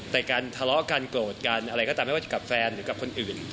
แต่การทะเลาะกันโกรธกันอะไรก็ทำให้กับแฟนหรือกับคนอื่น